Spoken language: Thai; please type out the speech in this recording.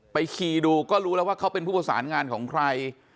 คีย์ดูก็รู้แล้วว่าเขาเป็นผู้ประสานงานของใคร